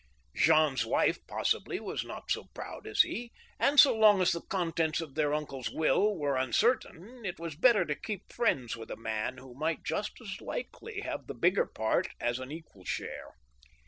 Jean's wife, possibly, was not so proud as he, and. so long as the contents of their uncle's will were uncertain, it was better to keep friends with a man who might just as likely have the bigger part as an equal share.